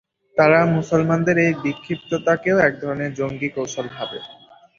তারা মুসলমানদের এই বিক্ষিপ্ততাকেও এক ধরনের জঙ্গী কৌশল ভাবে।